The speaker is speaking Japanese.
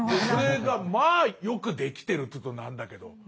それがまあよくできてるっていうとなんだけど。